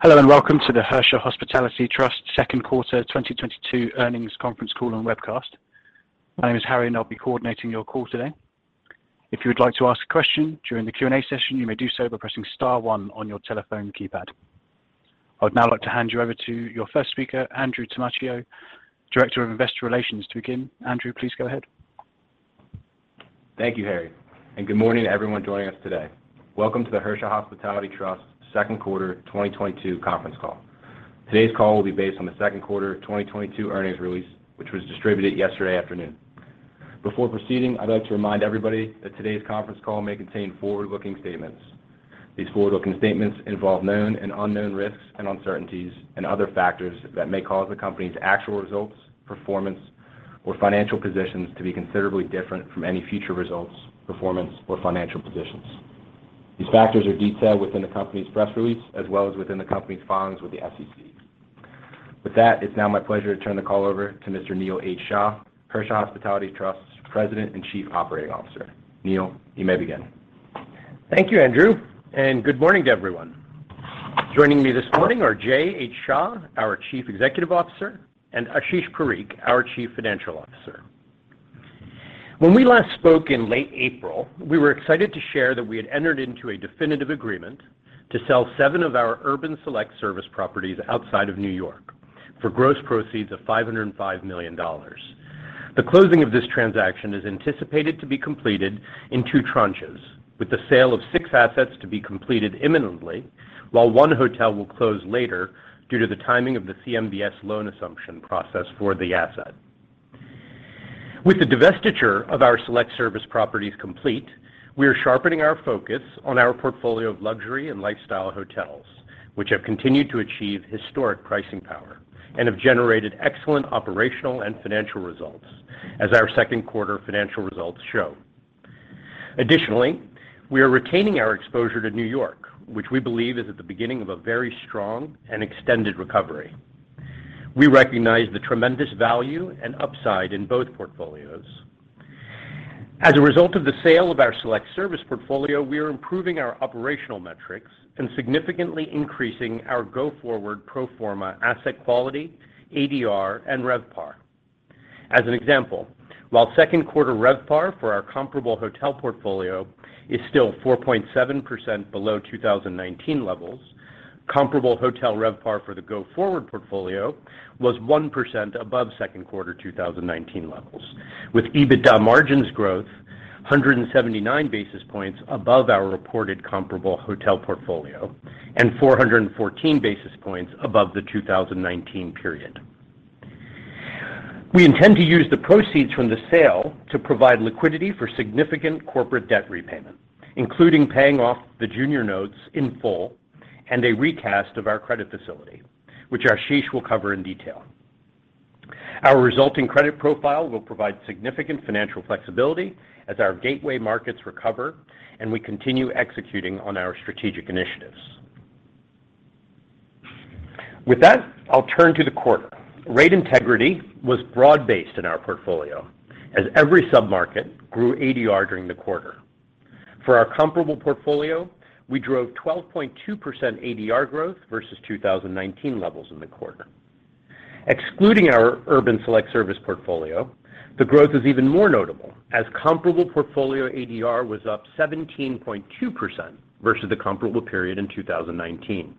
Hello, and welcome to the Hersha Hospitality Trust second quarter 2022 earnings conference call and webcast. My name is Harry, and I'll be coordinating your call today. If you would like to ask a question during the Q&A session, you may do so by pressing star one on your telephone keypad. I would now like to hand you over to your first speaker, Andrew Tamaccio, Director of Investor Relations to begin. Andrew, please go ahead. Thank you, Harry, and good morning to everyone joining us today. Welcome to the Hersha Hospitality Trust second quarter 2022 conference call. Today's call will be based on the second quarter 2022 earnings release, which was distributed yesterday afternoon. Before proceeding, I'd like to remind everybody that today's conference call may contain forward-looking statements. These forward-looking statements involve known and unknown risks and uncertainties and other factors that may cause the company's actual results, performance, or financial positions to be considerably different from any future results, performance, or financial positions. These factors are detailed within the company's press release as well as within the company's filings with the SEC. With that, it's now my pleasure to turn the call over to Mr. Neil H. Shah, Hersha Hospitality Trust's President and Chief Operating Officer. Neil, you may begin. Thank you, Andrew, and good morning to everyone. Joining me this morning are Jay H. Shah, our Chief Executive Officer, and Ashish Parikh, our Chief Financial Officer. When we last spoke in late April, we were excited to share that we had entered into a definitive agreement to sell seven of our urban select service properties outside of New York for gross proceeds of $505 million. The closing of this transaction is anticipated to be completed in two tranches, with the sale of six assets to be completed imminently, while one hotel will close later due to the timing of the CMBS loan assumption process for the asset. With the divestiture of our select service properties complete, we are sharpening our focus on our portfolio of luxury and lifestyle hotels, which have continued to achieve historic pricing power and have generated excellent operational and financial results, as our second quarter financial results show. Additionally, we are retaining our exposure to New York, which we believe is at the beginning of a very strong and extended recovery. We recognize the tremendous value and upside in both portfolios. As a result of the sale of our select service portfolio, we are improving our operational metrics and significantly increasing our go forward pro forma asset quality, ADR, and RevPAR. As an example, while second quarter RevPAR for our comparable hotel portfolio is still 4.7% below 2019 levels, comparable hotel RevPAR for the go forward portfolio was 1% above second quarter 2019 levels, with EBITDA margins growth 179 basis points above our reported comparable hotel portfolio and 414 basis points above the 2019 period. We intend to use the proceeds from the sale to provide liquidity for significant corporate debt repayment, including paying off the junior notes in full and a recast of our credit facility, which Ashish will cover in detail. Our resulting credit profile will provide significant financial flexibility as our gateway markets recover and we continue executing on our strategic initiatives. With that, I'll turn to the quarter. Rate integrity was broad-based in our portfolio as every sub-market grew ADR during the quarter. For our comparable portfolio, we drove 12.2% ADR growth versus 2019 levels in the quarter. Excluding our urban select service portfolio, the growth is even more notable as comparable portfolio ADR was up 17.2% versus the comparable period in 2019.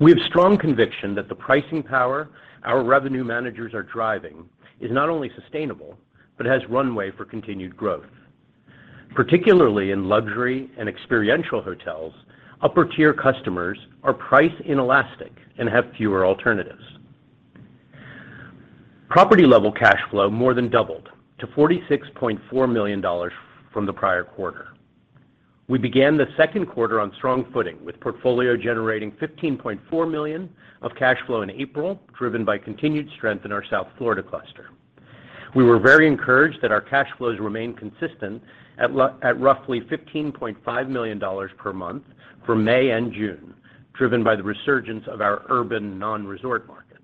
We have strong conviction that the pricing power our revenue managers are driving is not only sustainable, but has runway for continued growth, particularly in luxury and experiential hotels, upper tier customers are price inelastic and have fewer alternatives. Property level cash flow more than doubled to $46.4 million from the prior quarter. We began the second quarter on strong footing with portfolio generating $15.4 million of cash flow in April, driven by continued strength in our South Florida cluster. We were very encouraged that our cash flows remained consistent at roughly $15.5 million per month for May and June, driven by the resurgence of our urban non-resort markets.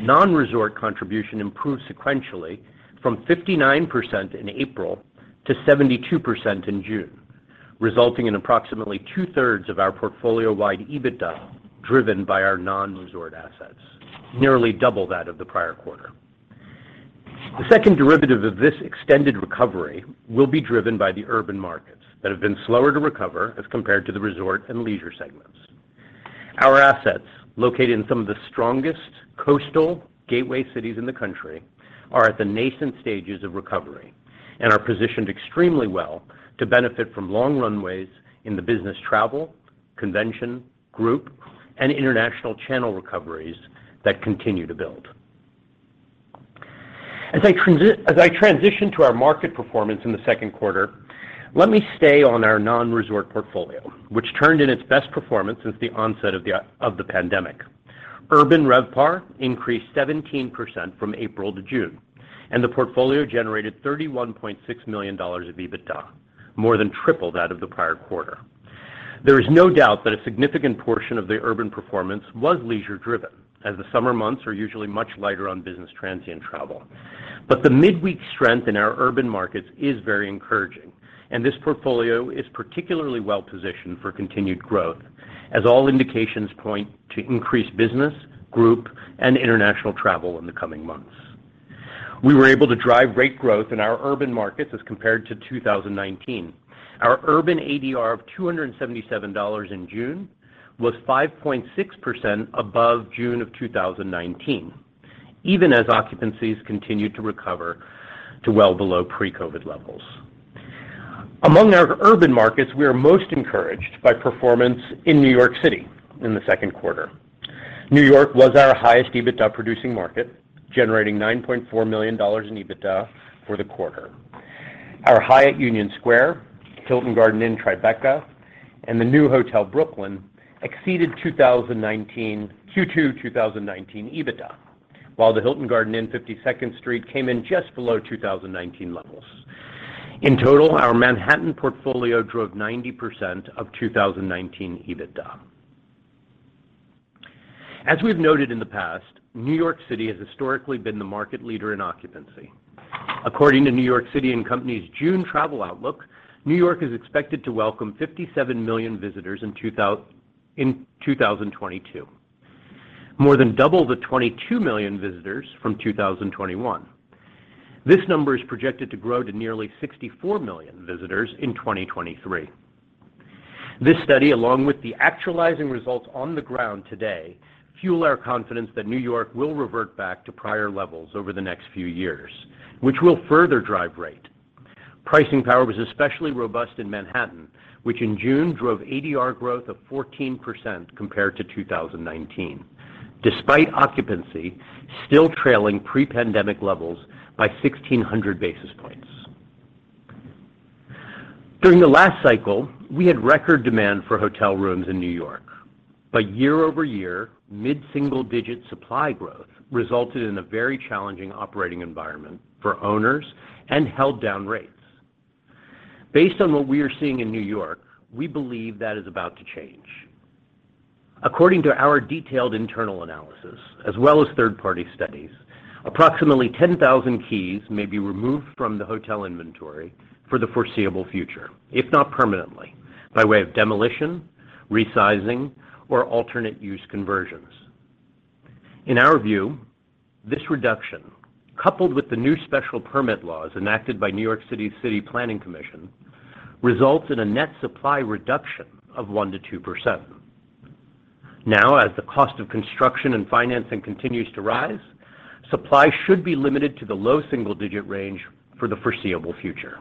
Non-resort contribution improved sequentially from 59% in April to 72% in June, resulting in approximately two-thirds of our portfolio-wide EBITDA driven by our non-resort assets, nearly double that of the prior quarter. The second derivative of this extended recovery will be driven by the urban markets that have been slower to recover as compared to the resort and leisure segments. Our assets, located in some of the strongest coastal gateway cities in the country, are at the nascent stages of recovery and are positioned extremely well to benefit from long runways in the business travel, convention, group, and international channel recoveries that continue to build. As I transition to our market performance in the second quarter, let me stay on our non-resort portfolio, which turned in its best performance since the onset of the pandemic. Urban RevPAR increased 17% from April to June, and the portfolio generated $31.6 million of EBITDA, more than triple that of the prior quarter. There is no doubt that a significant portion of the urban performance was leisure driven, as the summer months are usually much lighter on business transient travel. The midweek strength in our urban markets is very encouraging, and this portfolio is particularly well positioned for continued growth as all indications point to increased business, group, and international travel in the coming months. We were able to drive great growth in our urban markets as compared to 2019. Our urban ADR of $277 in June was 5.6% above June 2019, even as occupancies continued to recover to well below pre-COVID levels. Among our urban markets, we are most encouraged by performance in New York City in the second quarter. New York was our highest EBITDA producing market, generating $9.4 million in EBITDA for the quarter. Our Hyatt Union Square, Hilton Garden Inn Tribeca, and the new Hotel Brooklyn exceeded Q2 2019 EBITDA, while the Hilton Garden Inn 52nd Street came in just below 2019 levels. In total, our Manhattan portfolio drove 90% of 2019 EBITDA. As we've noted in the past, New York City has historically been the market leader in occupancy. According to NYC & Company's June travel outlook, New York is expected to welcome 57 million visitors in 2022, more than double the 22 million visitors from 2021. This number is projected to grow to nearly 64 million visitors in 2023. This study, along with the actual results on the ground today, fuel our confidence that New York will revert back to prior levels over the next few years, which will further drive rate. Pricing power was especially robust in Manhattan, which in June drove ADR growth of 14% compared to 2019, despite occupancy still trailing pre-pandemic levels by 1,600 basis points. During the last cycle, we had record demand for hotel rooms in New York, but year-over-year, mid-single-digit supply growth resulted in a very challenging operating environment for owners and held down rates. Based on what we are seeing in New York, we believe that is about to change. According to our detailed internal analysis as well as third-party studies, approximately 10,000 keys may be removed from the hotel inventory for the foreseeable future, if not permanently, by way of demolition, resizing, or alternate use conversions. In our view, this reduction, coupled with the new special permit laws enacted by the New York City Planning Commission, results in a net supply reduction of 1%-2%. Now, as the cost of construction and financing continues to rise, supply should be limited to the low single-digit range for the foreseeable future.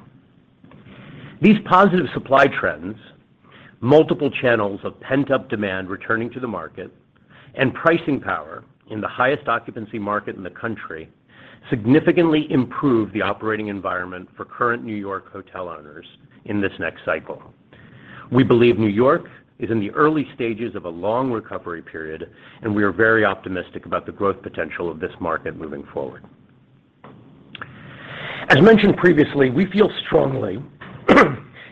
These positive supply trends, multiple channels of pent-up demand returning to the market, and pricing power in the highest occupancy market in the country significantly improve the operating environment for current New York hotel owners in this next cycle. We believe New York is in the early stages of a long recovery period, and we are very optimistic about the growth potential of this market moving forward. As mentioned previously, we feel strongly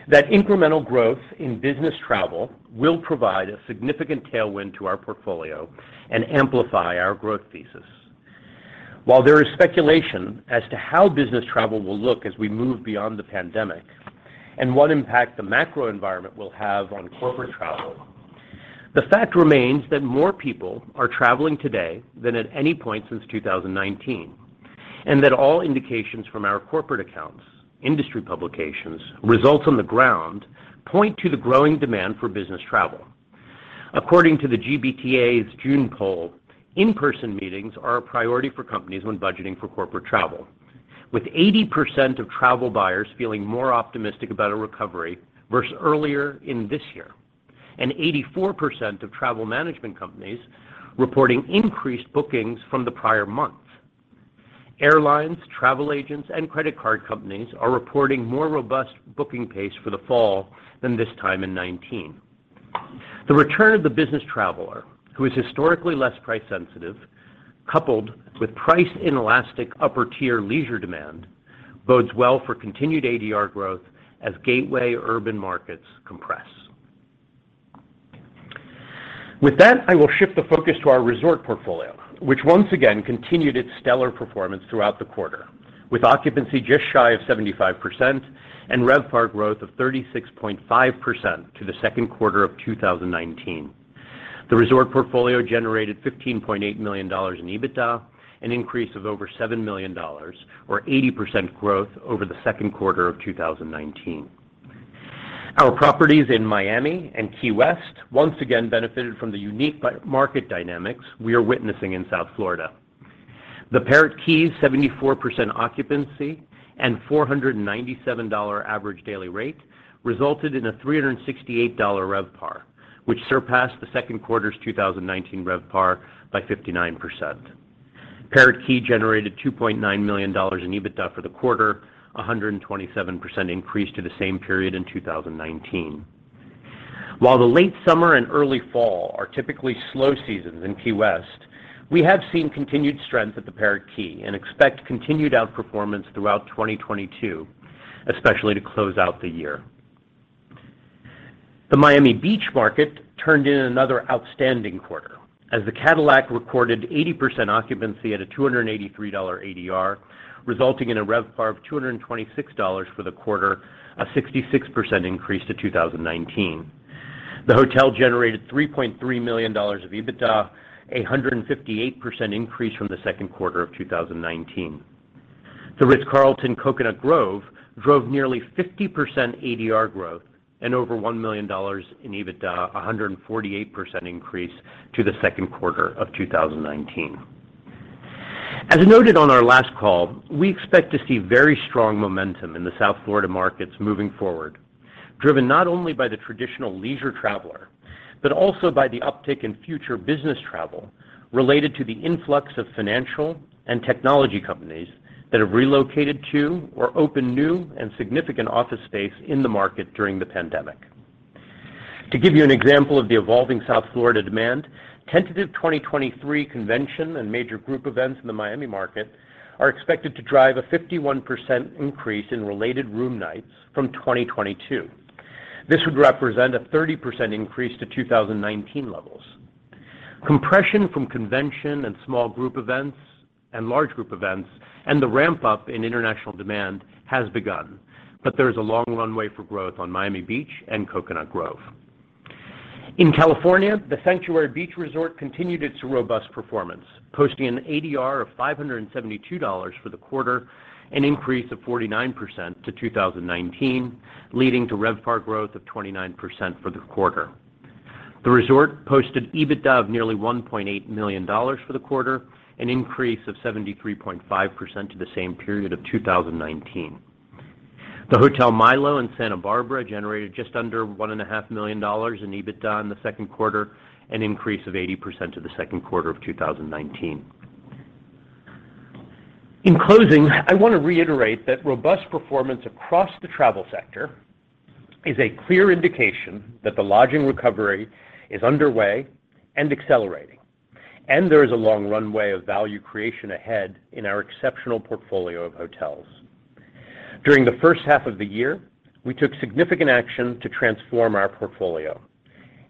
that incremental growth in business travel will provide a significant tailwind to our portfolio and amplify our growth thesis. While there is speculation as to how business travel will look as we move beyond the pandemic and what impact the macro environment will have on corporate travel, the fact remains that more people are traveling today than at any point since 2019, and that all indications from our corporate accounts, industry publications, results on the ground point to the growing demand for business travel. According to the GBTA's June poll, in-person meetings are a priority for companies when budgeting for corporate travel, with 80% of travel buyers feeling more optimistic about a recovery versus earlier in this year, and 84% of travel management companies reporting increased bookings from the prior month. Airlines, travel agents, and credit card companies are reporting more robust booking pace for the fall than this time in 2019. The return of the business traveler, who is historically less price sensitive, coupled with price inelastic upper-tier leisure demand, bodes well for continued ADR growth as gateway urban markets compress. With that, I will shift the focus to our resort portfolio, which once again continued its stellar performance throughout the quarter. With occupancy just shy of 75% and RevPAR growth of 36.5% to the second quarter of 2019. The resort portfolio generated $15.8 million in EBITDA, an increase of over $7 million or 80% growth over the second quarter of 2019. Our properties in Miami and Key West once again benefited from the unique market dynamics we are witnessing in South Florida. The Parrot Key's 74% occupancy and $497 average daily rate resulted in a $368 RevPAR, which surpassed the second quarter's 2019 RevPAR by 59%. Parrot Key generated $2.9 million in EBITDA for the quarter, a 127% increase to the same period in 2019. While the late summer and early fall are typically slow seasons in Key West, we have seen continued strength at the Parrot Key and expect continued outperformance throughout 2022, especially to close out the year. The Miami Beach market turned in another outstanding quarter as the Cadillac recorded 80% occupancy at a $283 ADR, resulting in a RevPAR of $226 for the quarter, a 66% increase to 2019. The hotel generated $3.3 million of EBITDA, 158% increase from the second quarter of 2019. The Ritz-Carlton Coconut Grove drove nearly 50% ADR growth and over $1 million in EBITDA, 148% increase from the second quarter of 2019. As noted on our last call, we expect to see very strong momentum in the South Florida markets moving forward, driven not only by the traditional leisure traveler, but also by the uptick in future business travel related to the influx of financial and technology companies that have relocated to or opened new and significant office space in the market during the pandemic. To give you an example of the evolving South Florida demand, tentative 2023 convention and major group events in the Miami market are expected to drive a 51% increase in related room nights from 2022. This would represent a 30% increase to 2019 levels. Compression from convention and small group events and large group events and the ramp up in international demand has begun, but there is a long runway for growth on Miami Beach and Coconut Grove. In California, The Sanctuary Beach Resort continued its robust performance, posting an ADR of $572 for the quarter, an increase of 49% to 2019, leading to RevPAR growth of 29% for the quarter. The resort posted EBITDA of nearly $1.8 million for the quarter, an increase of 73.5% to the same period of 2019. The Hotel Milo in Santa Barbara generated just under $1.5 million in EBITDA in the second quarter, an increase of 80% to the second quarter of 2019. In closing, I want to reiterate that robust performance across the travel sector is a clear indication that the lodging recovery is underway and accelerating, and there is a long runway of value creation ahead in our exceptional portfolio of hotels. During the first half of the year, we took significant action to transform our portfolio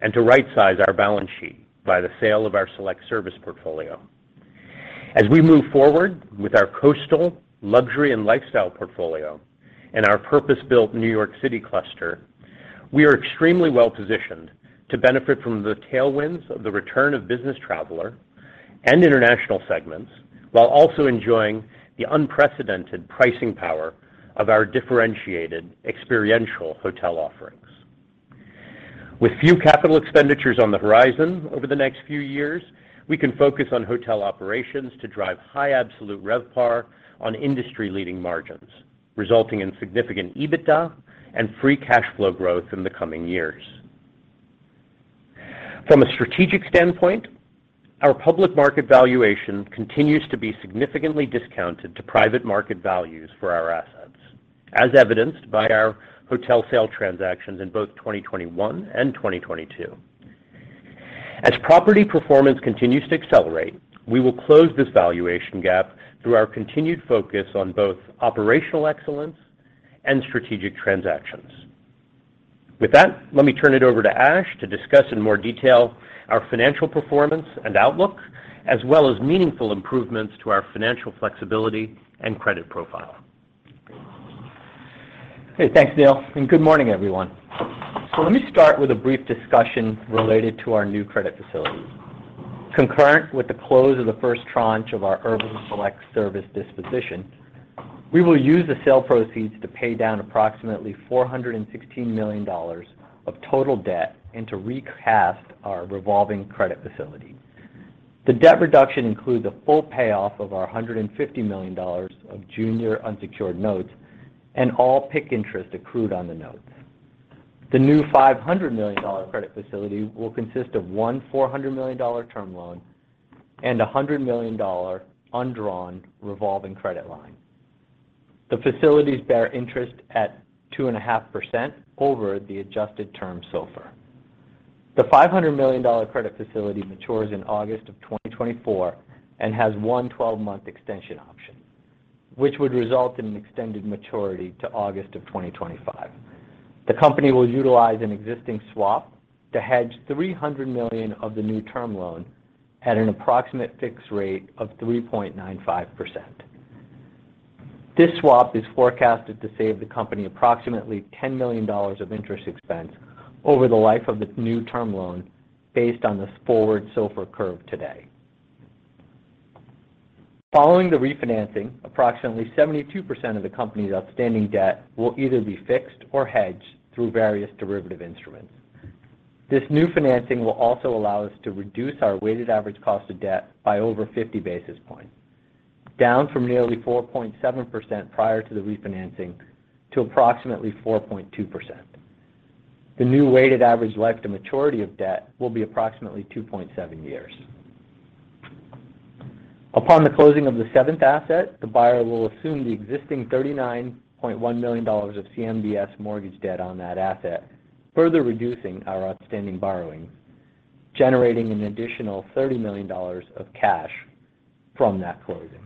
and to rightsize our balance sheet by the sale of our select service portfolio. As we move forward with our coastal luxury and lifestyle portfolio and our purpose built New York City cluster, we are extremely well positioned to benefit from the tailwinds of the return of business traveler and international segments, while also enjoying the unprecedented pricing power of our differentiated experiential hotel offerings. With few capital expenditures on the horizon over the next few years, we can focus on hotel operations to drive high absolute RevPAR on industry leading margins, resulting in significant EBITDA and free cash flow growth in the coming years. From a strategic standpoint, our public market valuation continues to be significantly discounted to private market values for our assets, as evidenced by our hotel sale transactions in both 2021 and 2022. As property performance continues to accelerate, we will close this valuation gap through our continued focus on both operational excellence and strategic transactions. With that, let me turn it over to Ash to discuss in more detail our financial performance and outlook, as well as meaningful improvements to our financial flexibility and credit profile. Hey, thanks, Neil, and good morning, everyone. Let me start with a brief discussion related to our new credit facility. Concurrent with the close of the first tranche of our urban select service disposition, we will use the sale proceeds to pay down approximately $416 million of total debt and to recast our revolving credit facility. The debt reduction includes a full payoff of our $150 million of junior unsecured notes and all PIK interest accrued on the notes. The new $500 million credit facility will consist of a $400 million term loan and a $100 million undrawn revolving credit line. The facilities bear interest at 2.5% over the adjusted term SOFR. The $500 million credit facility matures in August of 2024 and has one 12-month extension option, which would result in an extended maturity to August of 2025. The company will utilize an existing swap to hedge $300 million of the new term loan at an approximate fixed rate of 3.95%. This swap is forecasted to save the company approximately $10 million of interest expense over the life of the new term loan based on the forward SOFR curve today. Following the refinancing, approximately 72% of the company's outstanding debt will either be fixed or hedged through various derivative instruments. This new financing will also allow us to reduce our weighted average cost of debt by over 50 basis points, down from nearly 4.7% prior to the refinancing to approximately 4.2%. The new weighted average life to maturity of debt will be approximately 2.7 years. Upon the closing of the seventh asset, the buyer will assume the existing $39.1 million of CMBS mortgage debt on that asset, further reducing our outstanding borrowings, generating an additional $30 million of cash from that closing.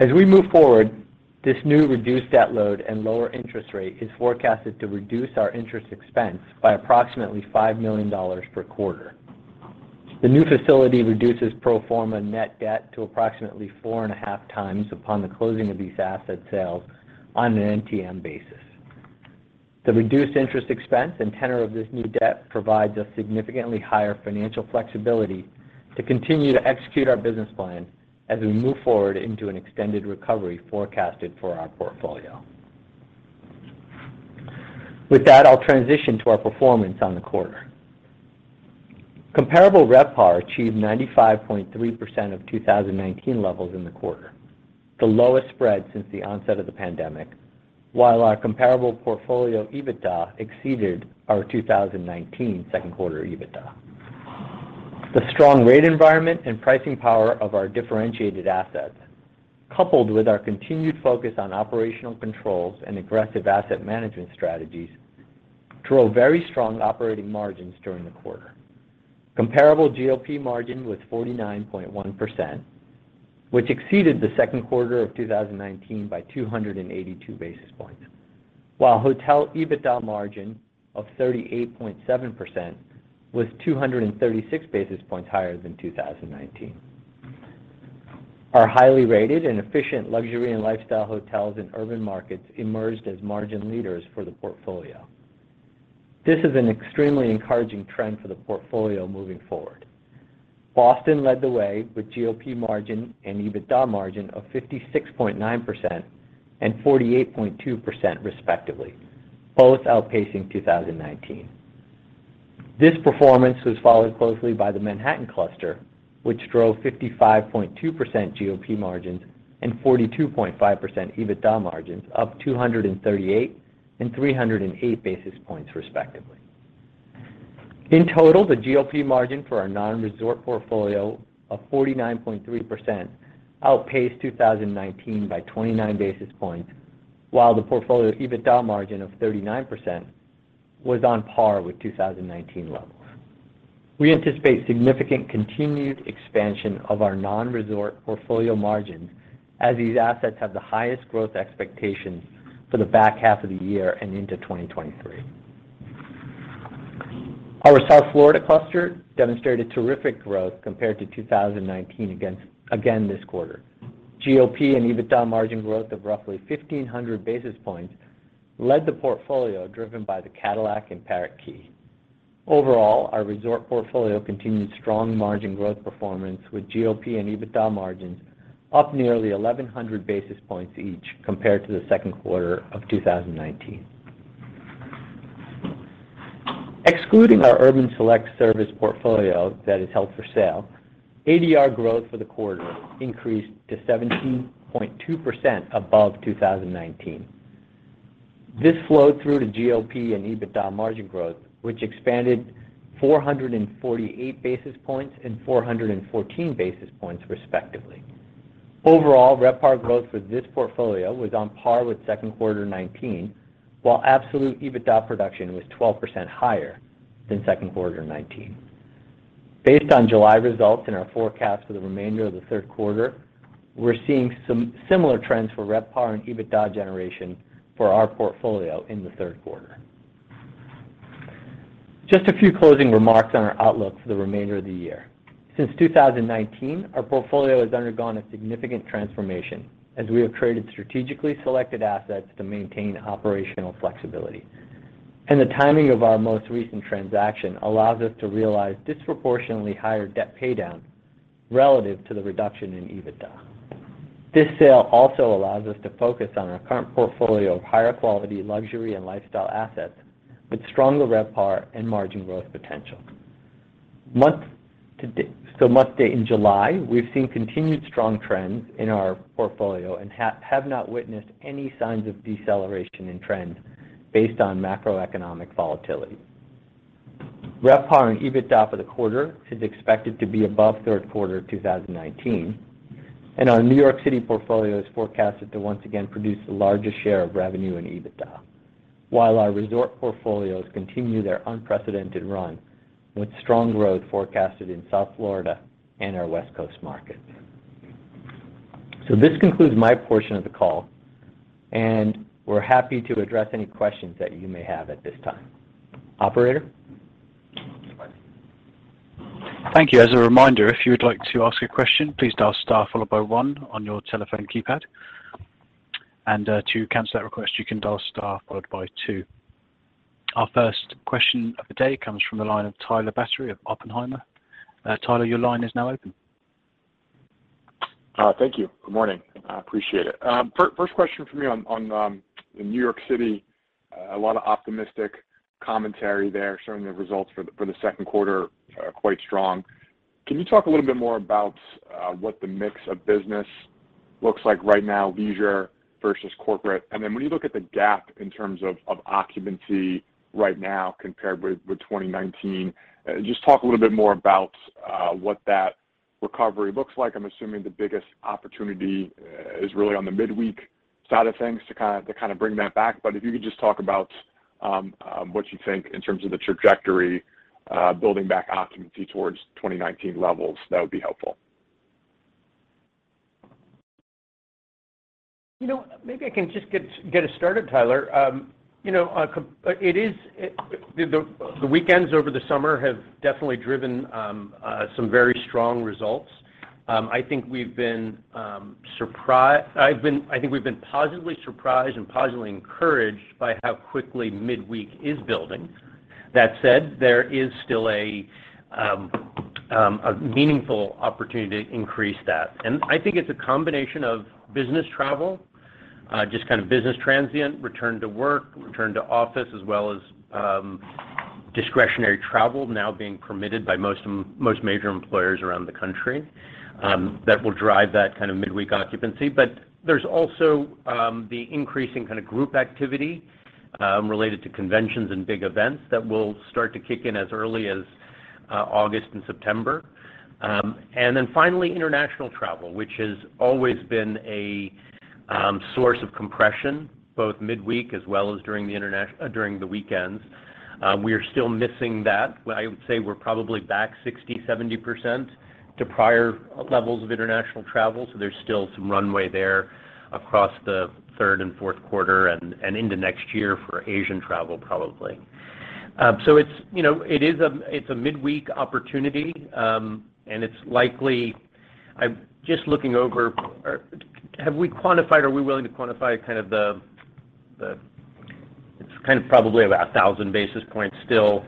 As we move forward, this new reduced debt load and lower interest rate is forecasted to reduce our interest expense by approximately $5 million per quarter. The new facility reduces pro forma net debt to approximately 4.5 times upon the closing of these asset sales on an NTM basis. The reduced interest expense and tenor of this new debt provides us significantly higher financial flexibility to continue to execute our business plan as we move forward into an extended recovery forecasted for our portfolio. With that, I'll transition to our performance on the quarter. Comparable RevPAR achieved 95.3% of 2019 levels in the quarter, the lowest spread since the onset of the pandemic, while our comparable portfolio EBITDA exceeded our 2019 second quarter EBITDA. The strong rate environment and pricing power of our differentiated assets, coupled with our continued focus on operational controls and aggressive asset management strategies, drove very strong operating margins during the quarter. Comparable GOP margin was 49.1%, which exceeded the second quarter of 2019 by 282 basis points, while hotel EBITDA margin of 38.7% was 236 basis points higher than 2019. Our highly rated and efficient luxury and lifestyle hotels in urban markets emerged as margin leaders for the portfolio. This is an extremely encouraging trend for the portfolio moving forward. Boston led the way with GOP margin and EBITDA margin of 56.9% and 48.2% respectively, both outpacing 2019. This performance was followed closely by the Manhattan cluster, which drove 55.2% GOP margins and 42.5% EBITDA margins, up 238 and 308 basis points respectively. In total, the GOP margin for our non-resort portfolio of 49.3% outpaced 2019 by 29 basis points, while the portfolio EBITDA margin of 39% was on par with 2019 levels. We anticipate significant continued expansion of our non-resort portfolio margins as these assets have the highest growth expectations for the back half of the year and into 2023. Our South Florida cluster demonstrated terrific growth compared to 2019 again this quarter. GOP and EBITDA margin growth of roughly 1,500 basis points led the portfolio driven by the Cadillac and Parrot Key. Overall, our resort portfolio continued strong margin growth performance with GOP and EBITDA margins up nearly 1,100 basis points each compared to the second quarter of 2019. Excluding our urban select service portfolio that is held for sale, ADR growth for the quarter increased to 17.2% above 2019. This flowed through to GOP and EBITDA margin growth, which expanded 448 basis points and 414 basis points respectively. Overall, RevPAR growth for this portfolio was on par with second quarter 2019, while absolute EBITDA production was 12% higher than second quarter 2019. Based on July results and our forecast for the remainder of the third quarter, we're seeing some similar trends for RevPAR and EBITDA generation for our portfolio in the third quarter. Just a few closing remarks on our outlook for the remainder of the year. Since 2019, our portfolio has undergone a significant transformation as we have traded strategically selected assets to maintain operational flexibility. The timing of our most recent transaction allows us to realize disproportionately higher debt paydown relative to the reduction in EBITDA. This sale also allows us to focus on our current portfolio of higher quality luxury and lifestyle assets with stronger RevPAR and margin growth potential. Month to date in July, we've seen continued strong trends in our portfolio and have not witnessed any signs of deceleration in trends based on macroeconomic volatility. RevPAR and EBITDA for the quarter is expected to be above third quarter 2019, and our New York City portfolio is forecasted to once again produce the largest share of revenue in EBITDA. While our resort portfolios continue their unprecedented run with strong growth forecasted in South Florida and our West Coast markets. This concludes my portion of the call, and we're happy to address any questions that you may have at this time. Operator? Thank you. As a reminder, if you would like to ask a question, please dial star followed by one on your telephone keypad. To cancel that request, you can dial star followed by two. Our first question of the day comes from the line of Tyler Batory of Oppenheimer. Tyler, your line is now open. Thank you. Good morning. I appreciate it. First question for me on in New York City, a lot of optimistic commentary there showing the results for the second quarter, quite strong. Can you talk a little bit more about what the mix of business looks like right now, leisure versus corporate? When you look at the gap in terms of occupancy right now compared with 2019, just talk a little bit more about what that recovery looks like. I'm assuming the biggest opportunity is really on the midweek side of things to kind of bring that back. If you could just talk about what you think in terms of the trajectory, building back occupancy towards 2019 levels, that would be helpful. You know, maybe I can just get us started, Tyler. You know, it is. The weekends over the summer have definitely driven some very strong results. I think we've been positively surprised and positively encouraged by how quickly midweek is building. That said, there is still a meaningful opportunity to increase that. I think it's a combination of business travel, just kind of business transient, return to work, return to office, as well as, discretionary travel now being permitted by most major employers around the country, that will drive that kind of midweek occupancy. There's also the increasing kind of group activity related to conventions and big events that will start to kick in as early as August and September. Finally, international travel, which has always been a source of compression, both midweek as well as during the weekends. We are still missing that. I would say we're probably back 60%-70% to prior levels of international travel, so there's still some runway there across the third and fourth quarter and into next year for Asian travel, probably. It's, you know, it is a it's a midweek opportunity, and it's likely. I'm just looking over. Have we quantified? Are we willing to quantify kind of the? It's kind of probably about 1,000 basis points still.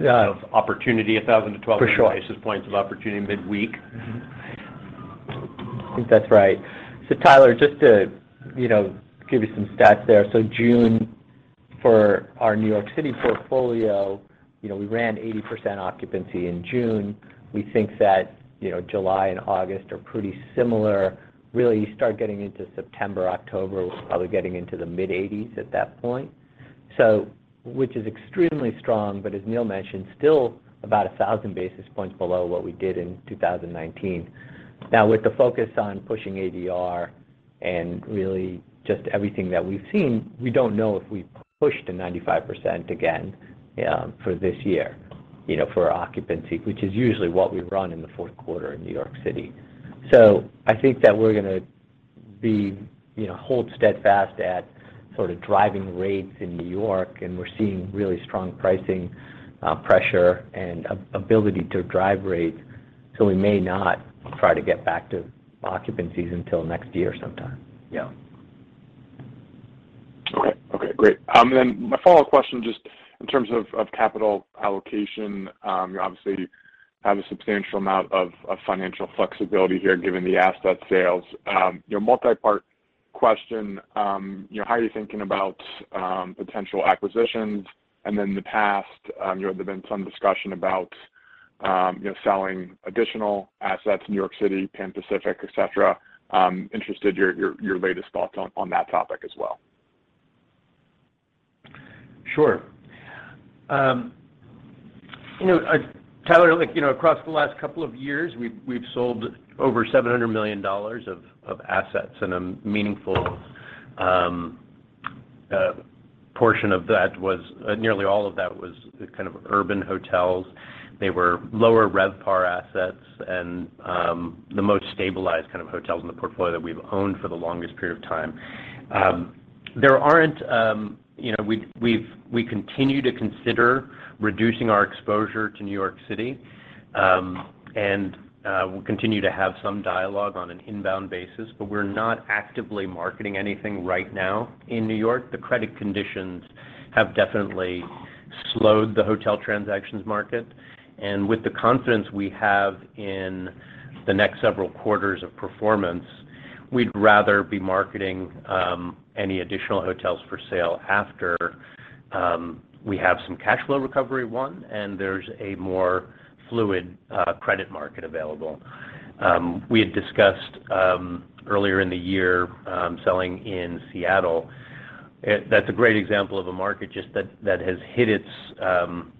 Yeah. of opportunity, 1,000 to 12 For sure. 100 basis points of opportunity midweek. I think that's right. Tyler, just to, you know, give you some stats there. June, for our New York City portfolio, you know, we ran 80% occupancy in June. We think that, you know, July and August are pretty similar. Really, you start getting into September, October, we're probably getting into the mid-80s at that point. Which is extremely strong, but as Neil mentioned, still about 1,000 basis points below what we did in 2019. Now, with the focus on pushing ADR and really just everything that we've seen, we don't know if we push to 95% again, for this year, you know, for occupancy, which is usually what we run in the fourth quarter in New York City. I think that we're gonna be, you know, hold steadfast at sort of driving rates in New York, and we're seeing really strong pricing, pressure and ability to drive rates, so we may not try to get back to occupancies until next year sometime. Yeah. Okay. Okay, great. Then my follow-up question, just in terms of capital allocation, you obviously have a substantial amount of financial flexibility here, given the asset sales. You know, multi-part question. You know, how are you thinking about potential acquisitions? And then in the past, you know, there's been some discussion about you know, selling additional assets in New York City, Pan Pacific, et cetera. I'm interested in your latest thoughts on that topic as well. Sure. You know, Tyler, like, you know, across the last couple of years, we've sold over $700 million of assets, and a meaningful portion of that was nearly all of that was kind of urban hotels. They were lower RevPAR assets and the most stabilized kind of hotels in the portfolio that we've owned for the longest period of time. There aren't you know we continue to consider reducing our exposure to New York City, and we continue to have some dialogue on an inbound basis, but we're not actively marketing anything right now in New York. The credit conditions have definitely slowed the hotel transactions market, and with the confidence we have in the next several quarters of performance, we'd rather be marketing any additional hotels for sale after we have some cash flow recovery and there's a more fluid credit market available. We had discussed earlier in the year selling in Seattle. That's a great example of a market that has hit its kind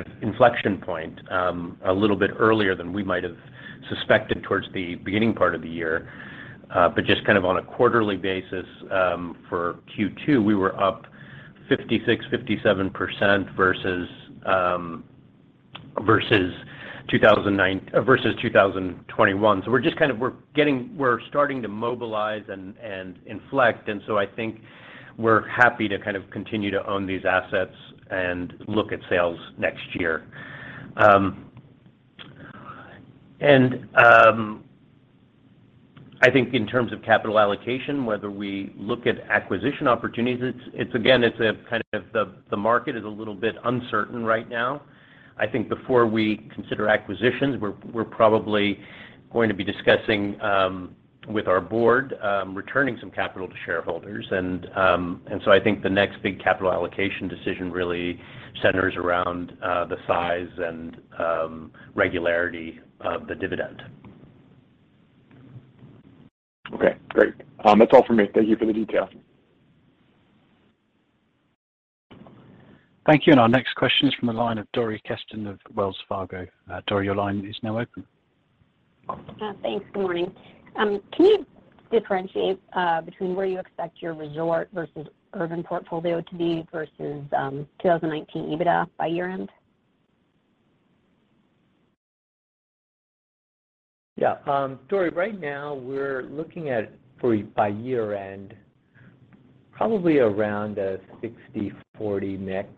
of inflection point a little bit earlier than we might have suspected towards the beginning part of the year. But just kind of on a quarterly basis for Q2, we were up 56%-57% versus 2021. We're starting to mobilize and inflect. I think we're happy to kind of continue to own these assets and look at sales next year. I think in terms of capital allocation, whether we look at acquisition opportunities, it's again, it's kind of the market is a little bit uncertain right now. I think before we consider acquisitions, we're probably going to be discussing with our board returning some capital to shareholders. I think the next big capital allocation decision really centers around the size and regularity of the dividend. Okay, great. That's all for me. Thank you for the detail. Thank you. Our next question is from the line of Dori Kesten of Wells Fargo. Dori, your line is now open. Thanks. Good morning. Can you differentiate between where you expect your resort versus urban portfolio to be versus 2019 EBITDA by year-end? Yeah. Dori, right now we're looking at by year-end, probably around a 60/40 mix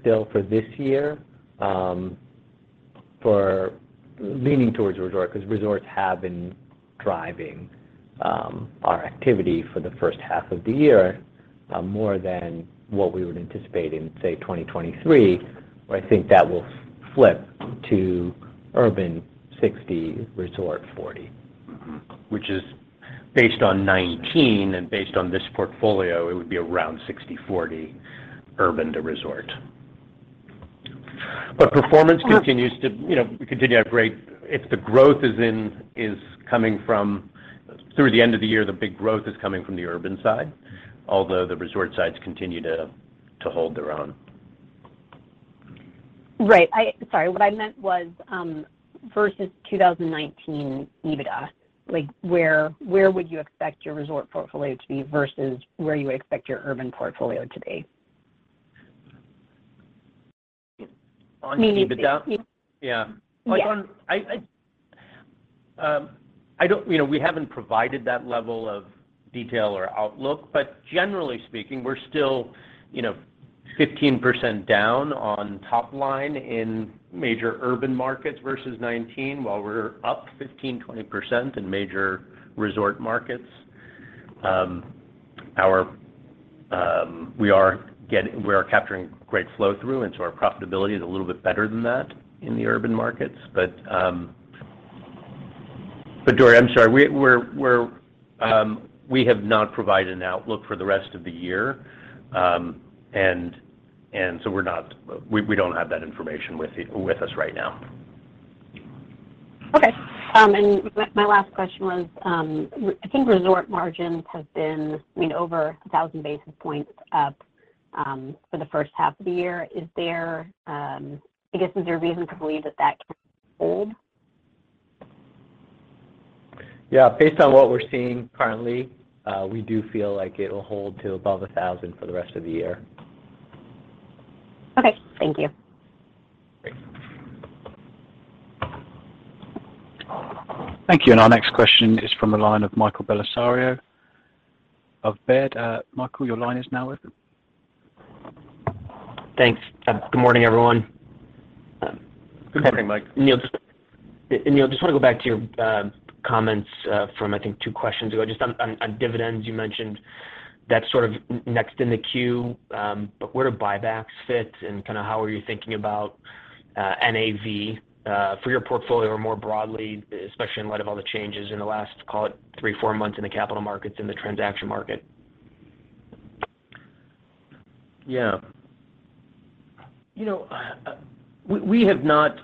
still for this year, for leaning towards resort, because resorts have been driving our activity for the first half of the year, more than what we would anticipate in, say, 2023, where I think that will flip to urban 60, resort 40. Which is based on 19, and based on this portfolio, it would be around 60-40 urban to resort. Performance continues to. You know, we continue to operate. If the growth is coming from through the end of the year, the big growth is coming from the urban side, although the resort sides continue to hold their own. Right. Sorry, what I meant was, versus 2019 EBITDA, like, where would you expect your resort portfolio to be versus where you expect your urban portfolio to be? On EBITDA? Yeah. Yeah. Yes. You know, we haven't provided that level of detail or outlook. Generally speaking, we're still, you know, 15% down on top line in major urban markets versus 2019, while we're up 15%-20% in major resort markets. We are capturing great flow-through into our profitability is a little bit better than that in the urban markets. Dori, I'm sorry. We have not provided an outlook for the rest of the year, and so we're not. We don't have that information with us right now. Okay. My last question was, I think resort margins have been, I mean, over a thousand basis points up, for the first half of the year. Is there, I guess, reason to believe that that can hold? Yeah. Based on what we're seeing currently, we do feel like it'll hold to above 1,000 for the rest of the year. Okay. Thank you. Great. Thank you. Our next question is from the line of Michael Bellisario of Baird. Michael, your line is now open. Thanks. Good morning, everyone. Good morning, Mike. Neil, just wanna go back to your comments from, I think, two questions ago. Just on dividends, you mentioned that's sort of next in the queue. Where do buybacks fit, and kinda how are you thinking about NAV for your portfolio or more broadly, especially in light of all the changes in the last, call it, three, four months in the capital markets, in the transaction market? Yeah. You know, we have not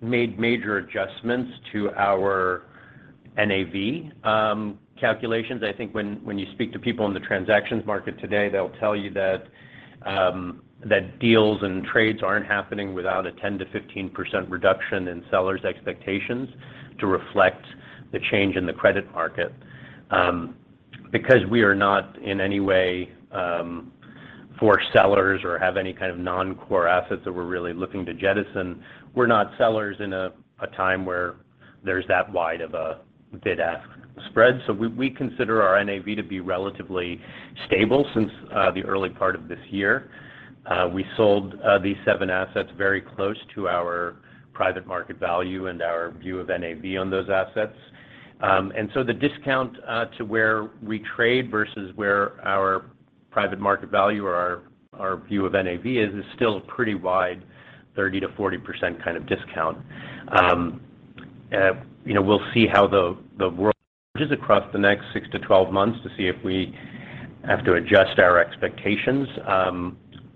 made major adjustments to our NAV calculations. I think when you speak to people in the transactions market today, they'll tell you that deals and trades aren't happening without a 10%-15% reduction in sellers' expectations to reflect the change in the credit market. Because we are not in any way forced sellers or have any kind of non-core assets that we're really looking to jettison, we're not sellers in a time where there's that wide of a bid-ask spread. We consider our NAV to be relatively stable since the early part of this year. We sold these seven assets very close to our private market value and our view of NAV on those assets. The discount to where we trade versus where our private market value or our view of NAV is still a pretty wide 30%-40% kind of discount. You know, we'll see how the world changes across the next 6-12 months to see if we have to adjust our expectations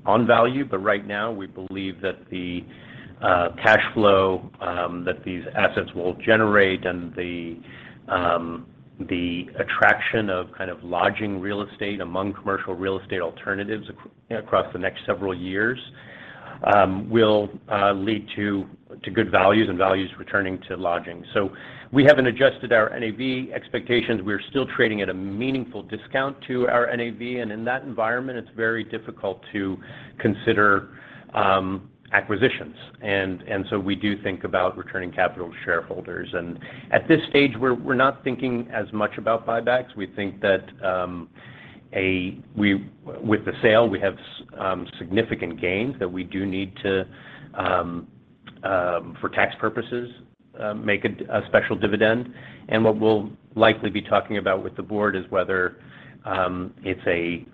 on value. Right now, we believe that the cash flow that these assets will generate and the attraction of kind of lodging real estate among commercial real estate alternatives across the next several years will lead to good values and values returning to lodging. We haven't adjusted our NAV expectations. We're still trading at a meaningful discount to our NAV, and in that environment, it's very difficult to consider acquisitions. We do think about returning capital to shareholders. At this stage, we're not thinking as much about buybacks. We think that with the sale, we have some significant gains that we do need to for tax purposes make a special dividend. What we'll likely be talking about with the board is whether it's a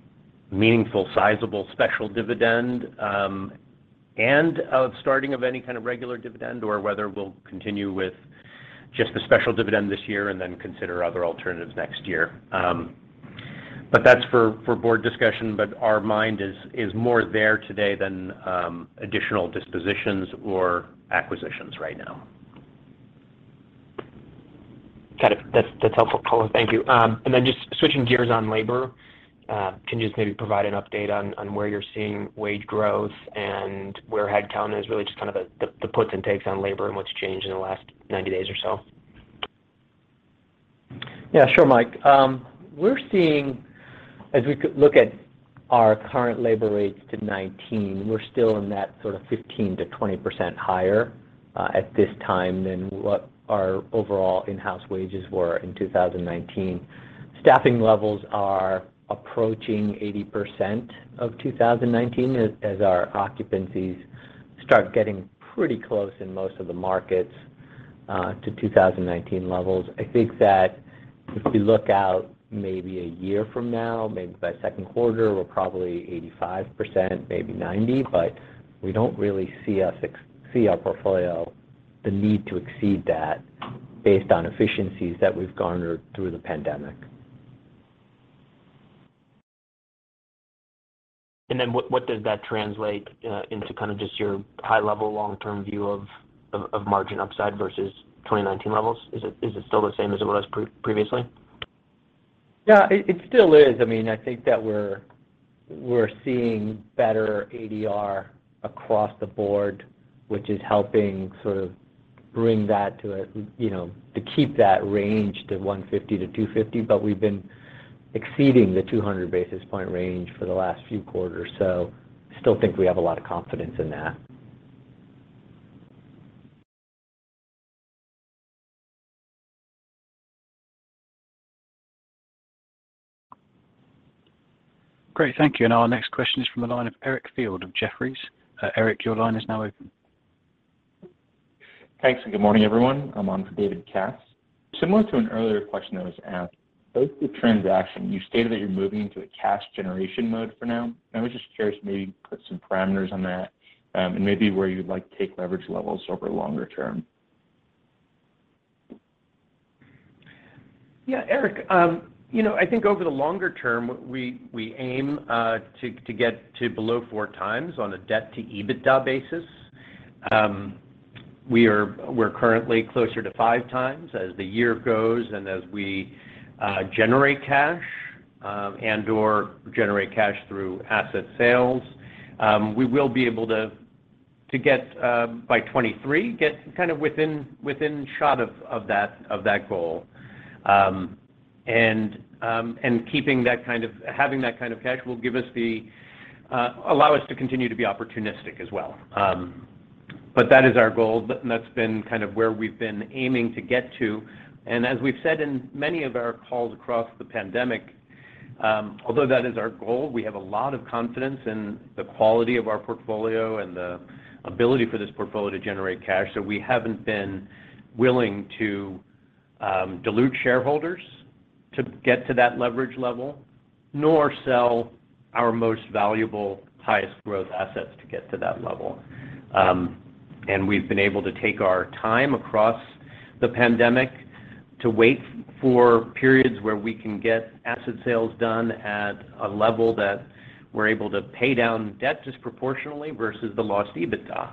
meaningful, sizable special dividend and a starting of any kind of regular dividend, or whether we'll continue with just the special dividend this year and then consider other alternatives next year. That's for board discussion, but our mind is more there today than additional dispositions or acquisitions right now. Got it. That's helpful, Neil, thank you. Just switching gears on labor, can you just maybe provide an update on where you're seeing wage growth and where headcount is, really just kind of the puts and takes on labor and what's changed in the last 90 days or so? Yeah, sure, Mike. We're seeing as we look at our current labor rates to 2019, we're still in that sort of 15%-20% higher, at this time than what our overall in-house wages were in 2019. Staffing levels are approaching 80% of 2019 as our occupancies start getting pretty close in most of the markets, to 2019 levels. I think that if we look out maybe a year from now, maybe by second quarter, we're probably 85%, maybe 90%, but we don't really see our portfolio, the need to exceed that based on efficiencies that we've garnered through the pandemic. What does that translate into kind of just your high level long-term view of margin upside versus 2019 levels? Is it still the same as it was previously? Yeah, it still is. I mean, I think that we're seeing better ADR across the board, which is helping sort of bring that to a, you know, to keep that range to 150-250, but we've been exceeding the 200 basis point range for the last few quarters. Still think we have a lot of confidence in that. Great. Thank you. Our next question is from the line of Eric Field of Jefferies. Eric, your line is now open. Thanks and good morning, everyone. I'm on for David Katz. Similar to an earlier question that was asked, post the transaction, you stated that you're moving into a cash generation mode for now. I was just curious, maybe you could put some parameters on that, and maybe where you'd like to take leverage levels over longer term. Yeah, Eric, you know, I think over the longer term, we aim to get to below four times on a debt-to-EBITDA basis. We're currently closer to five times as the year goes, and as we generate cash, and/or generate cash through asset sales, we will be able to get by 2023, get kind of within shot of that goal. Having that kind of cash will give us the ability to continue to be opportunistic as well. That is our goal, and that's been kind of where we've been aiming to get to. As we've said in many of our calls across the pandemic, although that is our goal, we have a lot of confidence in the quality of our portfolio and the ability for this portfolio to generate cash. We haven't been willing to dilute shareholders to get to that leverage level, nor sell our most valuable highest growth assets to get to that level. We've been able to take our time across the pandemic to wait for periods where we can get asset sales done at a level that we're able to pay down debt disproportionately versus the lost EBITDA.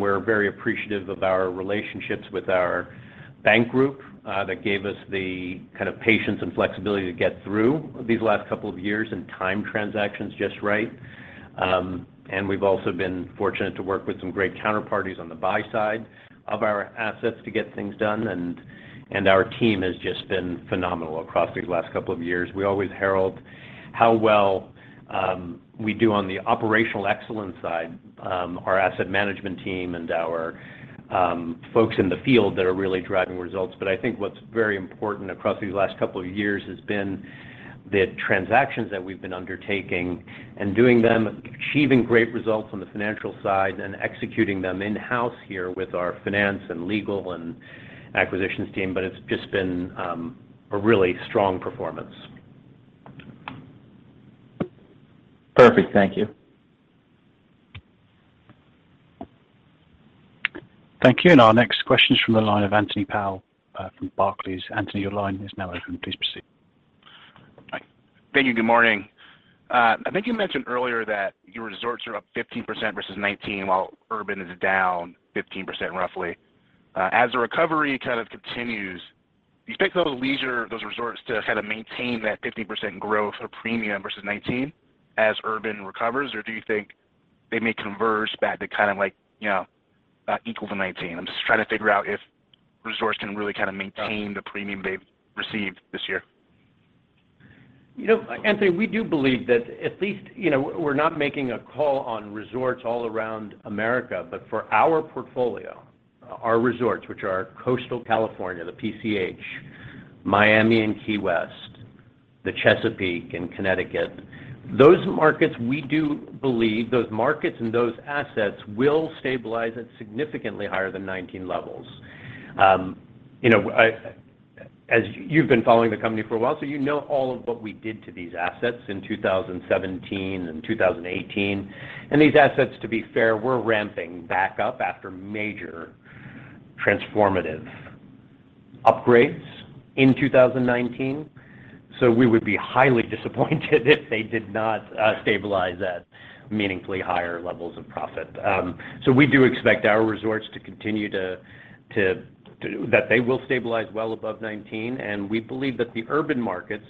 We're very appreciative of our relationships with our bank group that gave us the kind of patience and flexibility to get through these last couple of years and time transactions just right. We've also been fortunate to work with some great counterparties on the buy side of our assets to get things done, and our team has just been phenomenal across these last couple of years. We always herald how well we do on the operational excellence side, our asset management team and our folks in the field that are really driving results. I think what's very important across these last couple of years has been the transactions that we've been undertaking and doing them, achieving great results on the financial side and executing them in-house here with our finance and legal and acquisitions team. It's just been a really strong performance. Perfect. Thank you. Thank you. Our next question is from the line of Anthony Powell, from Barclays. Anthony, your line is now open. Please proceed. Thank you. Good morning. I think you mentioned earlier that your resorts are up 15% versus 2019, while urban is down 15% roughly. As the recovery kind of continues, do you expect those leisure, those resorts to kind of maintain that 15% growth or premium versus 2019 as urban recovers? Or do you think they may converge back to kind of like, you know, equal to 2019? I'm just trying to figure out if resorts can really kind of maintain the premium they've received this year. You know, Anthony, we do believe that at least, you know, we're not making a call on resorts all around America, but for our portfolio, our resorts, which are coastal California, the PCH, Miami and Key West, the Chesapeake and Connecticut, those markets, we do believe those markets and those assets will stabilize at significantly higher than 2019 levels. You know, as you've been following the company for a while, so you know all of what we did to these assets in 2017 and 2018. These assets, to be fair, were ramping back up after major transformative upgrades in 2019. We would be highly disappointed if they did not stabilize at meaningfully higher levels of profit. We do expect our resorts to continue to that they will stabilize well above 2019. We believe that the urban markets,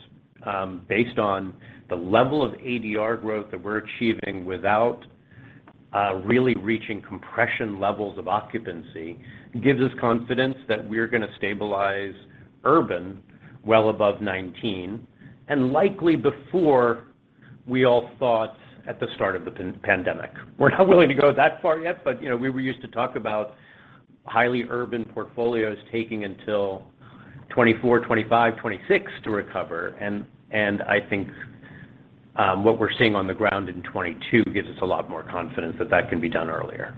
based on the level of ADR growth that we're achieving without really reaching compression levels of occupancy, gives us confidence that we're gonna stabilize urban well above 19, and likely before we all thought at the start of the pandemic. We're not willing to go that far yet, but, you know, we were used to talk about highly urban portfolios taking until 2024, 2025, 2026 to recover. I think what we're seeing on the ground in 2022 gives us a lot more confidence that that can be done earlier.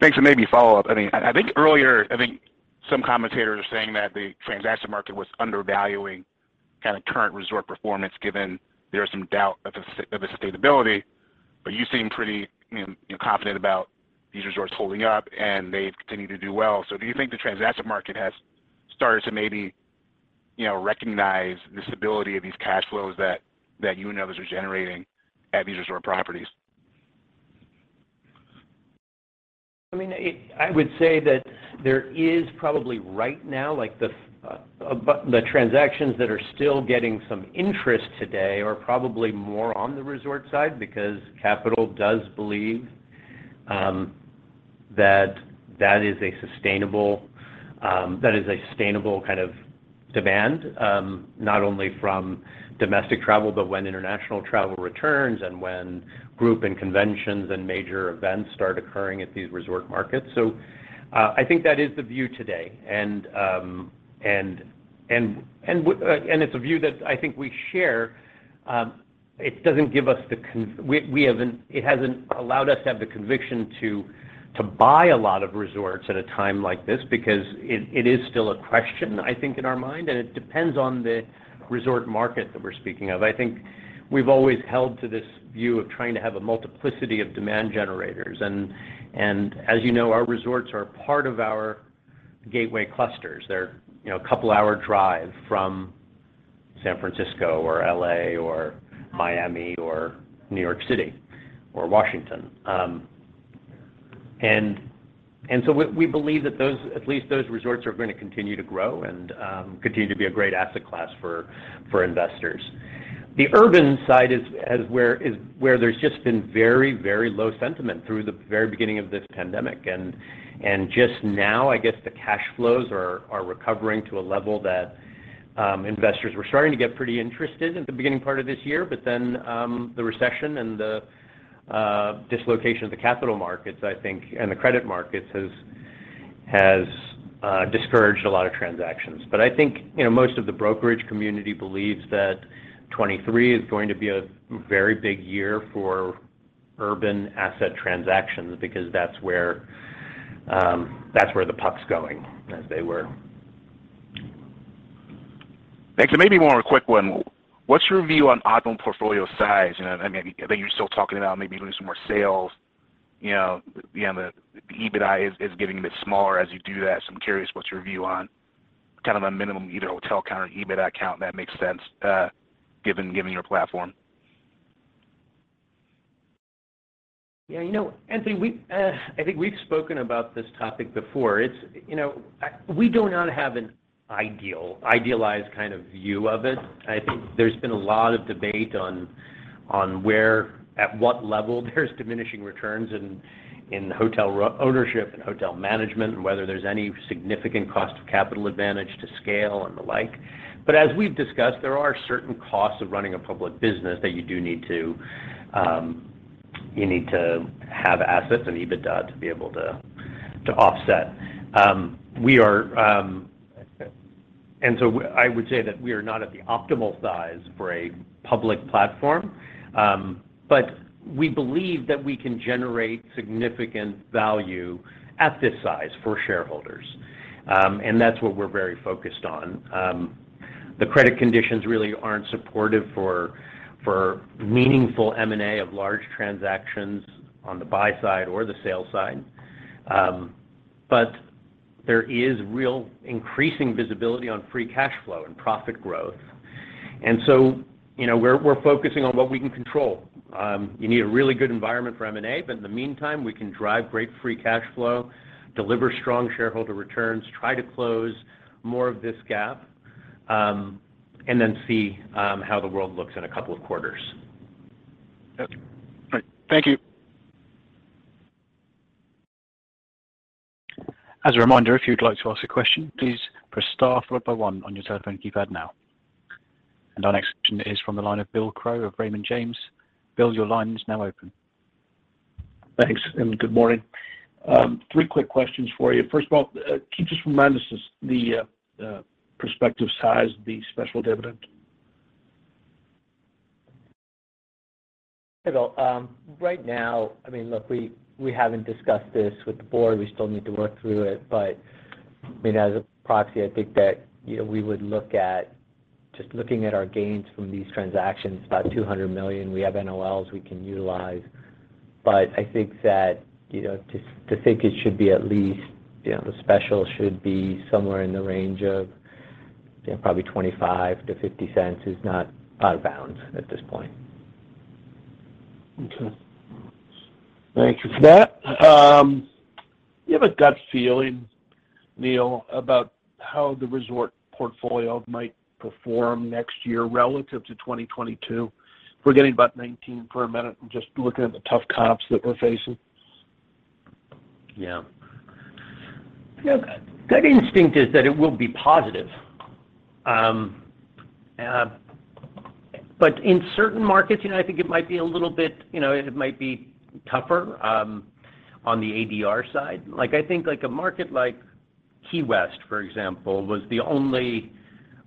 Thanks. Maybe a follow-up. I mean, I think earlier, I think some commentators were saying that the transaction market was undervaluing kind of current resort performance, given there is some doubt of the sustainability. But you seem pretty, you know, confident about these resorts holding up, and they continue to do well. Do you think the transaction market has started to maybe, you know, recognize the stability of these cash flows that you and others are generating at these resort properties? I mean, I would say that there is probably right now, like, but the transactions that are still getting some interest today are probably more on the resort side because capital does believe that that is a sustainable kind of demand, not only from domestic travel, but when international travel returns and when group and conventions and major events start occurring at these resort markets. I think that is the view today. It's a view that I think we share. It hasn't allowed us to have the conviction to buy a lot of resorts at a time like this because it is still a question, I think, in our mind, and it depends on the resort market that we're speaking of. I think we've always held to this view of trying to have a multiplicity of demand generators. As you know, our resorts are part of our gateway clusters. They're, you know, a couple hour drive from San Francisco or L.A. or Miami or New York City or Washington. So we believe that those, at least those resorts are gonna continue to grow and continue to be a great asset class for investors. The urban side is where there's just been very, very low sentiment through the very beginning of this pandemic. Just now, I guess the cash flows are recovering to a level that investors were starting to get pretty interested at the beginning part of this year. The recession and the dislocation of the capital markets, I think, and the credit markets has discouraged a lot of transactions. I think, you know, most of the brokerage community believes that 2023 is going to be a very big year for urban asset transactions because that's where the puck's going, as they were. Thanks. Maybe one more quick one. What's your view on optimal portfolio size? You know, I mean, I think you're still talking about maybe doing some more sales. You know, the EBITDA is getting a bit smaller as you do that. I'm curious what's your view on kind of a minimum either hotel count or EBITDA count that makes sense, given your platform? Yeah, you know, Anthony, I think we've spoken about this topic before. It's, you know, we do not have an idealized kind of view of it. I think there's been a lot of debate on at what level there's diminishing returns in hotel ownership and hotel management, and whether there's any significant cost of capital advantage to scale and the like. As we've discussed, there are certain costs of running a public business that you need to have assets and EBITDA to be able to offset. I would say that we are not at the optimal size for a public platform, but we believe that we can generate significant value at this size for shareholders. That's what we're very focused on. The credit conditions really aren't supportive for meaningful M&A of large transactions on the buy side or the sale side. There is real increasing visibility on free cash flow and profit growth. You know, we're focusing on what we can control. You need a really good environment for M&A, but in the meantime, we can drive great free cash flow, deliver strong shareholder returns, try to close more of this gap, and then see how the world looks in a couple of quarters. Got you. All right. Thank you. As a reminder, if you'd like to ask a question, please press star followed by one on your telephone keypad now. Our next question is from the line of Bill Crow of Raymond James. Bill, your line is now open. Thanks, and good morning. Three quick questions for you. First of all, can you just remind us the prospective size of the special dividend? Hey, Bill. Right now, I mean, look, we haven't discussed this with the board. We still need to work through it. I mean, as a proxy, I think that, you know, we would look at. Just looking at our gains from these transactions, about $200 million, we have NOLs we can utilize. I think that, you know, to think it should be at least, you know, the special should be somewhere in the range of, you know, probably $0.25-$0.50 is not out of bounds at this point. Okay. Thank you for that. You have a gut feeling, Neil, about how the resort portfolio might perform next year relative to 2022? Forgetting about 2019 for a minute and just looking at the tough comps that we're facing. Yeah. Gut instinct is that it will be positive. In certain markets, you know, I think it might be a little bit. You know, it might be tougher on the ADR side. Like, I think, like, a market like Key West, for example, was the only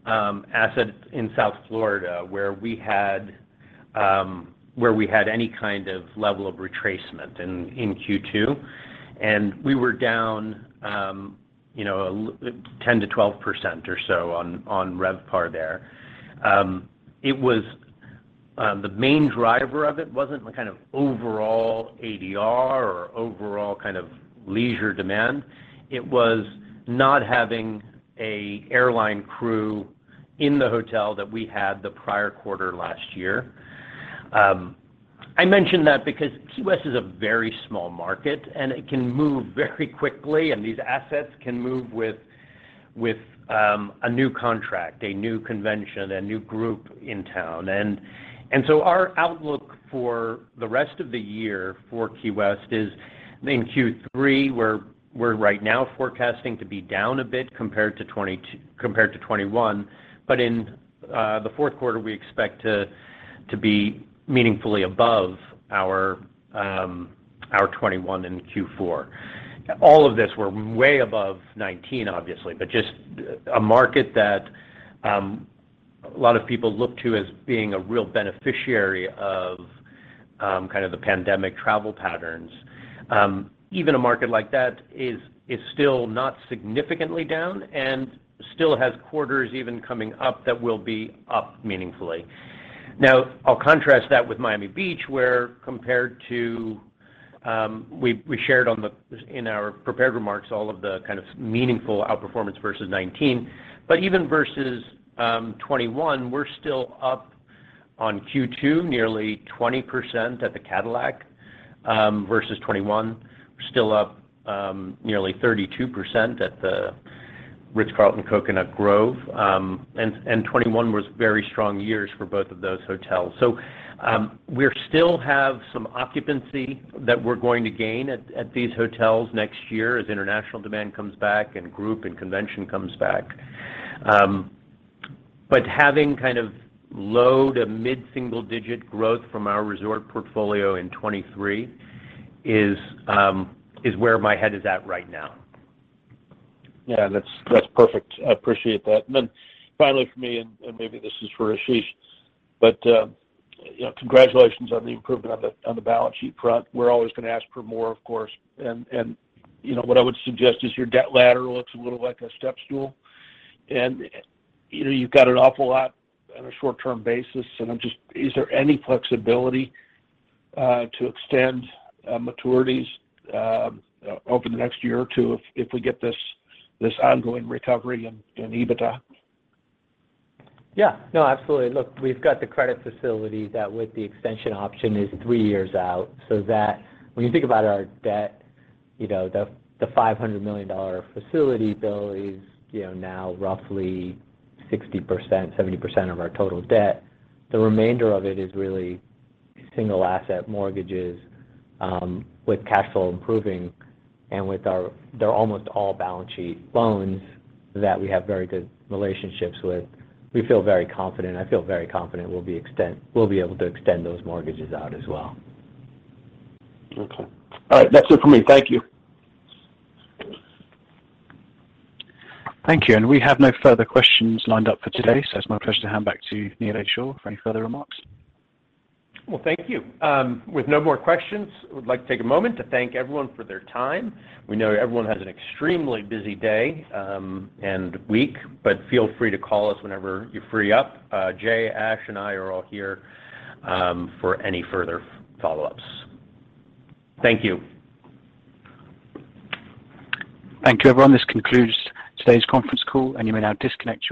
asset in South Florida where we had any kind of level of retracement in Q2. We were down, you know, 10%-12% or so on RevPAR there. It was the main driver of it wasn't the kind of overall ADR or overall kind of leisure demand. It was not having an airline crew in the hotel that we had the prior quarter last year. I mention that because Key West is a very small market, and it can move very quickly, and these assets can move with a new contract, a new convention, a new group in town. Our outlook for the rest of the year for Key West is in Q3, we're right now forecasting to be down a bit compared to 21. In the fourth quarter, we expect to be meaningfully above our 21 in Q4. All of this, we're way above 19, obviously, but just a market that a lot of people look to as being a real beneficiary of kind of the pandemic travel patterns. Even a market like that is still not significantly down and still has quarters even coming up that will be up meaningfully. Now, I'll contrast that with Miami Beach, where, compared to 2019, we shared in our prepared remarks all of the kind of meaningful outperformance versus 2019. Even versus 2021, we're still up on Q2 nearly 20% at the Cadillac versus 2021. We're still up nearly 32% at the Ritz-Carlton Coconut Grove. 2021 was very strong years for both of those hotels. We still have some occupancy that we're going to gain at these hotels next year as international demand comes back and group and convention comes back. Having kind of low to mid-single digit growth from our resort portfolio in 2023 is where my head is at right now. Yeah, that's perfect. I appreciate that. Then finally for me, maybe this is for Ashish, but you know, congratulations on the improvement on the balance sheet front. We're always gonna ask for more, of course. You know, what I would suggest is your debt ladder looks a little like a step stool. You know, you've got an awful lot on a short-term basis, and I'm just. Is there any flexibility to extend maturities over the next year or two if we get this ongoing recovery in EBITDA? Yeah. No, absolutely. Look, we've got the credit facility that with the extension option is 3 years out, so that when you think about our debt, you know, the $500 million facility which is, you know, now roughly 60%, 70% of our total debt. The remainder of it is really single asset mortgages with cash flow improving. They're almost all balance sheet loans that we have very good relationships with. We feel very confident. I feel very confident we'll be able to extend those mortgages out as well. Okay. All right. That's it for me. Thank you. Thank you. We have no further questions lined up for today, so it's my pleasure to hand back to Neil H. Shah for any further remarks. Well, thank you. With no more questions, I would like to take a moment to thank everyone for their time. We know everyone has an extremely busy day, and week, but feel free to call us whenever you free up. Jay, Ash, and I are all here, for any further follow-ups. Thank you. Thank you, everyone. This concludes today's conference call, and you may now disconnect your lines.